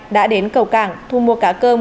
đã đến cầu cảng thu mua cá cơm